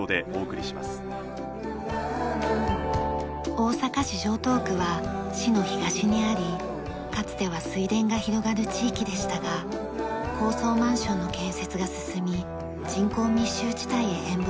大阪市城東区は市の東にありかつては水田が広がる地域でしたが高層マンションの建設が進み人口密集地帯へ変貌しています。